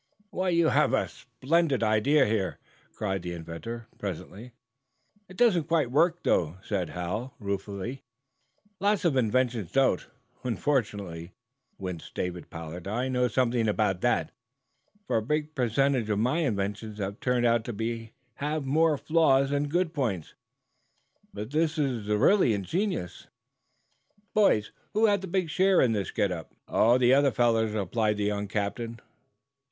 "Why, you have a splendid idea here," cried the inventor, presently. "It doesn't quite work, though," said Hal, ruefully. "Lot's of inventions don't, unfortunately," winced David Pollard. "I know something about that, for a big percentage of my inventions have turned out to have more flaws than good points. But this is really ingenious, boys. Who has had the big share in this get up?" "The other fellows," replied the young captain.